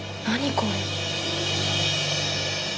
これ。